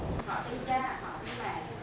họ tìm ra họ tìm lại